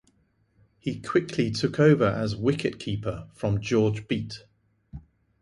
He quickly took over as wicketkeeper from George Beet.